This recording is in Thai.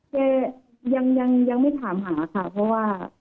แกยังไม่ถามหาค่ะเพราะว่า